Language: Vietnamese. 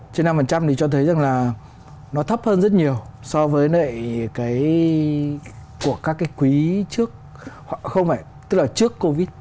trên năm thì cho thấy rằng là nó thấp hơn rất nhiều so với nơi của các quý trước không vậy tức là trước covid